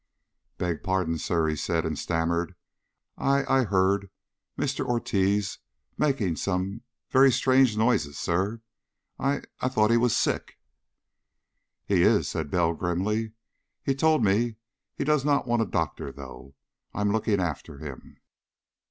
"Beg pardon, sir," he said, and stammered. "I I heard Mr. Ortiz making some very strange noises, sir. I I thought he was sick...." "He is," said Bell grimly. "He told me he does not want a doctor, though. I'm looking after him."